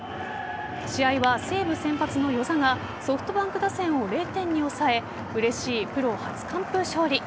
試合は西武先発の與座がソフトバンク打線を０点に抑え嬉しいプロ初完封勝利。